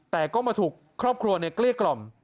แต่ก็มาถูกครอบครัวเกลี้ยกล่อม